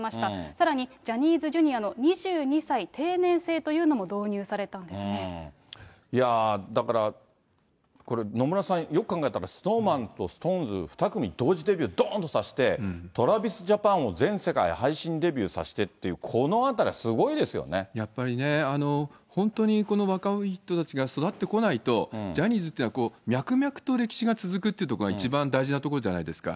さらにジャニーズＪｒ．の２２歳定年制というのも導入されたんでいや、だからこれ、野村さん、よく考えたらＳｎｏｗＭａｎとＳｉｘＴＯＮＥＳ２組同時デビュー、どーんとさせて、ＴｒａｖｉｓＪａｐａｎを全世界配信デビューさせてって、このあたりはすごいやっぱりね、本当にこの若い人たちが育ってこないと、ジャニーズっていうのは、脈々と歴史が続くってところが一番大事なところじゃないですか。